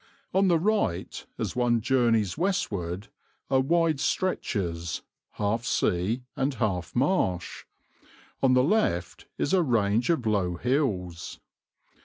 On the right, as one journeys westward, are wide stretches, half sea and half marsh; on the left is a range of low hills.